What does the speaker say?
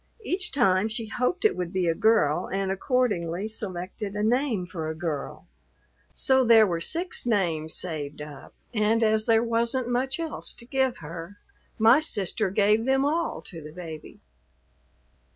Each time she hoped it would be a girl, and accordingly selected a name for a girl. So there were six names saved up, and as there wasn't much else to give her, my sister gave them all to the baby."